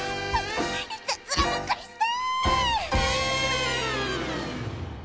いたずらばっかりして！